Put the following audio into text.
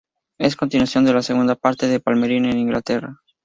Es continuación de la "Segunda parte de Palmerín de Inglaterra".